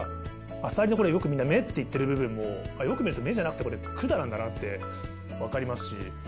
アサリのよくみんな目っていってる部分もよく見ると目じゃなくてこれ管なんだなって分かりますし。